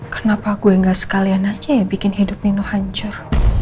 kenapa gue gak sekalian aja ya bikin hidup nino hancur